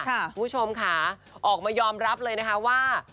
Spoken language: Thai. คุณผู้ชมค่ะออกมายอมรับเลยนะคะว่า